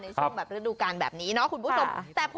ในช่วงแบบฤดูการแบบนี้เนาะคุณผู้ชม